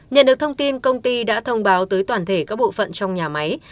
nhận được thông tin công ty đã thông báo tới toàn thể các bộ phận trong nhà máy